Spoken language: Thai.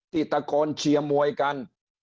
ติดตะโกนเฉียมมวยกัน